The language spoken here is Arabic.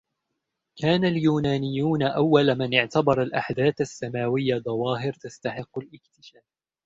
كان اليونانيون أول من اعتبر الأحداث السماوية ظواهر تستحق الاكتشاف